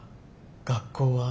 学校は？